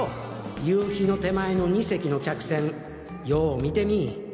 夕陽の手前の２隻の客船よ見てみぃ！